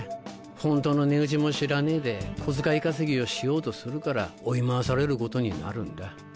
ホントの値打ちも知らねえで小遣い稼ぎをしようとするから追い回されることになるんだ。